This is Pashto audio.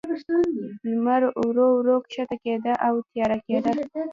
لمر ورو، ورو کښته کېده، او تیاره کېده.